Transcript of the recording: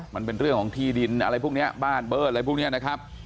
มันเป็นเรื่องของที่ดินอะไรพวกนี้บ้านเบิ้ลอะไรพวกนี้นะครับ